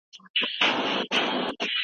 د پښتو ژبي دپاره باید معتبرې ادارې جوړې سي